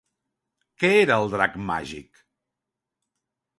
Què era el Drac Màgic?